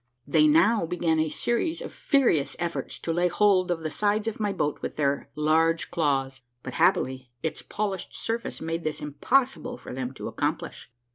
They now began a series of furious efforts to lay hold of the sides of my boat with their Imge claws, but happily its polished surface made this impossible for them to accomplish.